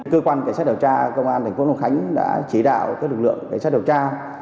cơ quan cảnh sát điều tra công an thành phố long khánh đã chỉ đạo lực lượng cảnh sát điều tra